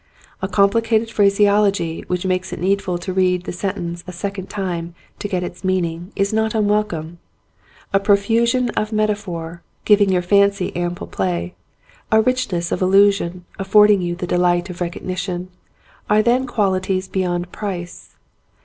A complicated phraseology which makes it needful to read the sentence a second time to get its meaning is not unwelcome; a pro fusion of metaphor, giving your fancy ample play, a richness of allusion affording you the delight of recognition, are then qualities beyond price.